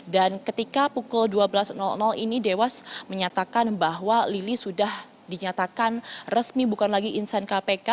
ketika pukul dua belas ini dewas menyatakan bahwa lili sudah dinyatakan resmi bukan lagi insan kpk